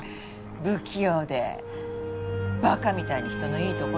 不器用でばかみたいに人のいいところ。